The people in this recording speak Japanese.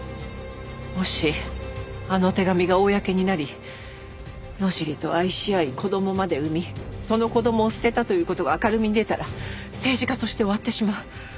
もしあの手紙が公になり野尻と愛し合い子供まで産みその子供を捨てたという事が明るみに出たら政治家として終わってしまう。